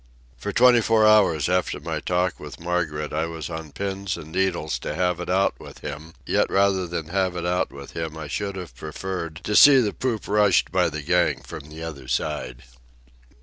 For twenty four hours after my talk with Margaret I was on pins and needles to have it out with him, yet rather than have had it out with him I should have preferred to see the poop rushed by the gang from the other side.